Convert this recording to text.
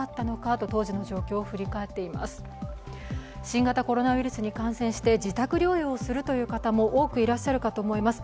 新型コロナウイルスに感染して自宅療養するという方も多くいらっしゃるかと思います。